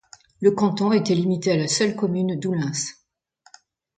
Le canton était limité à la seule commune d'Oullins.